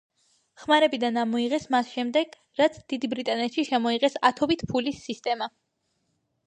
ხმარებიდან ამოიღეს მას შემდეგ, რაც დიდ ბრიტანეთში შემოიღეს ათობითი ფულის სისტემა.